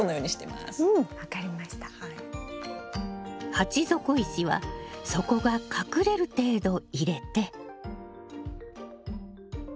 鉢底石は底が隠れる程度入れて。